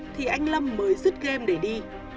thì anh lâm mới dứt game để đi